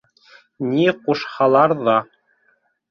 — Ни ҡушһалар ҙа.